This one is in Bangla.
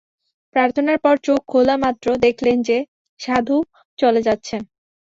প্রার্থনার পর চোখ খোলা-মাত্র দেখলেন যে, সাধু চলে যাচ্ছেন।